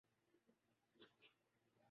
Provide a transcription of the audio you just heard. Police کا کام جرائم کی روک تھام ہے۔